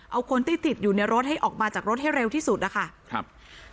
เอาคนที่ติดอยู่ในรถให้ออกมาจากรถให้เร็วที่สุดนะคะครับ